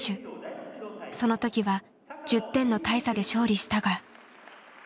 その時は１０点の大差で勝利したが。